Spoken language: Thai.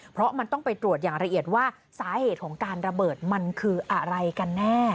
เพราะมันต้องไปตรวจอย่างละเอียดว่าสาเหตุของการระเบิดมันคืออะไรกันแน่